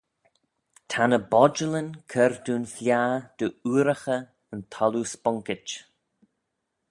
Ta ny bodjalyn cur dooin fliaghey dy ooraghey yn thalloo sponkit.